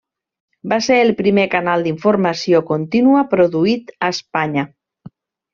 Va ser el primer canal d'informació contínua produït a Espanya.